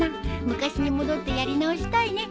昔に戻ってやり直したいね。